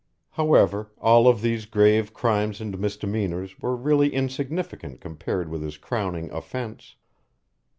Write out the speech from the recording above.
However, all of these grave crimes and misdemeanors were really insignificant compared with his crowning offense.